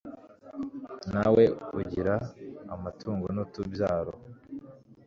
ntawe ugira amatungo n'utubyaro